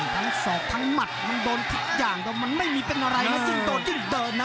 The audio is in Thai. สอกทั้งหมัดมันโดนทุกอย่างแต่มันไม่มีเป็นอะไรนะยิ่งโดนยิ่งเดินนะ